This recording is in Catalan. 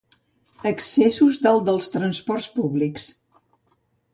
Excessos dalt dels transports públics.